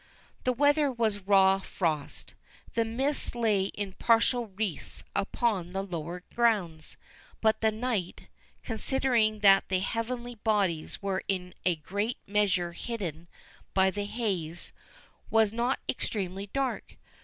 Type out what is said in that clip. The weather was a raw frost. The mists lay in partial wreaths upon the lower grounds; but the night, considering that the heavenly bodies were in a great measure hidden by the haze, was not extremely dark.